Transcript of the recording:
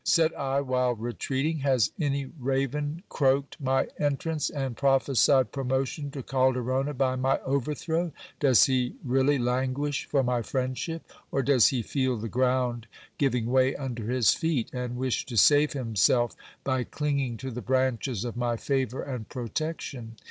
said I while retreating; has any raven croaked my entrance, and prophesied promotion to Calderona by my" overthrow? Does he really languish for my friendship? or does he feel the ground giving way under his feet, and wish to save himself by clinging to the branches of my favour and protection?